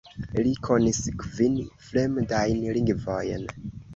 Li konis kvin fremdajn lingvojn.